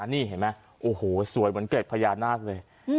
นี่เห็นไหมโอ้โหสวยเหมือนเกร็ดพญานาคเลย